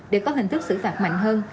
để có hình thức sử phạt mạnh hơn